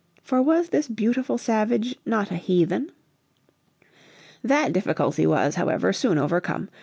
For was this beautiful savage not a heathen? That difficulty was, however, soon overcome.